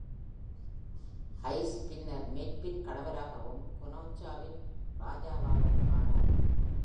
அய்ல் பின்னர் மெட்பின் கணவராகவும், கொனாச்சாவின் ராஜாவாகவும் ஆனார்.